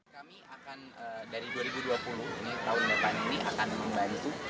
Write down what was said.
kami akan dari dua ribu dua puluh ini tahun depan ini akan membantu